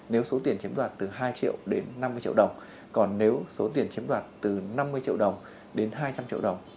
nếu số tiền chiếm đoạt từ hai triệu đến năm mươi triệu đồng còn nếu số tiền chiếm đoạt từ năm mươi triệu đồng đến hai trăm linh triệu đồng